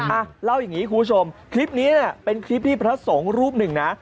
อ่ะเล่าอย่างนี้คุณผู้ชมคลิปนี้เป็นคลิปที่พระสงฆ์รูปหนึ่งนะ